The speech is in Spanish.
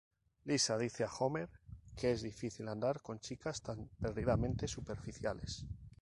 Lisa dice a Homer que es difícil andar con chicas tan perdidamente superficiales.